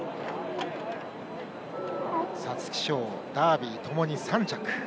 皐月賞、ダービーともに３着。